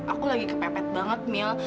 aku lagi kepepet banget mil